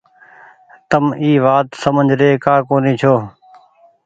تم اي وآت سمجه ري ڪآ ڪونيٚ ڇو۔